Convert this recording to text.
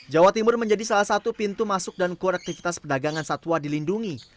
jawa timur menjadi salah satu pintu masuk dan konektivitas perdagangan satwa dilindungi